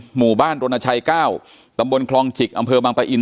หมู่บ้านรณชัย๙ตำบลคลองจิกอำเภอบางปะอิน